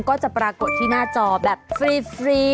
ก็จะปรากฏที่หน้าจอแบบฟรี